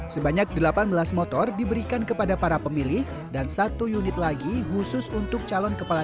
sebanyak delapan belas motor diberikan kepada para pemilih dan satu unit lagi khusus untuk calon kepala